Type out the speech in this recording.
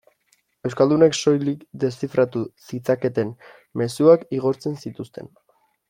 Euskaldunek soilik deszifratu zitzaketen mezuak igortzen zituzten.